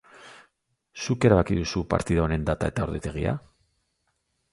Zuk erabaki duzu partida honen data eta ordutegia?